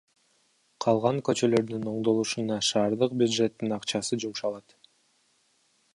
Калган көчөлөрдүн оңдолушуна шаардык бюджеттин акчасы жумшалат.